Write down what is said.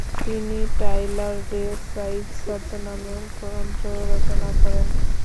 তিনি Tyler de Sykes ছদ্মনামেও গ্রন্থ রচনা করেন।